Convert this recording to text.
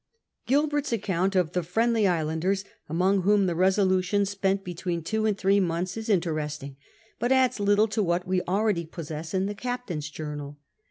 Gilbei*t's account of the Friendly Islanders, among whom the Ilmlutitm spent between two and three months, is interesting, but adds little to tvliat tve already possess in the captain's journal.